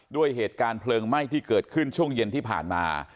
ด้วยเหตุการณ์เพลิงไหม้ที่เกิดขึ้นช่วงเย็นที่ผ่านมา